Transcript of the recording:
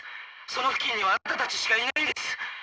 その付近にはあなたたちしかいないんです。